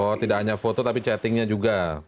oh tidak hanya foto tapi chattingnya juga